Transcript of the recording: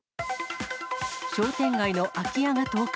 商店街の空き家が倒壊。